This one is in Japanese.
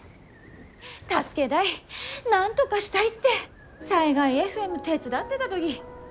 助けだいなんとがしたいって災害ＦＭ手伝ってだ時。